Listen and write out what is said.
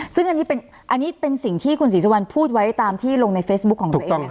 ซึ่งอันนี้เป็นสิ่งที่คุณศรีสุวรรณพูดไว้ตามที่ลงในเฟซบุ๊คของตัวเอง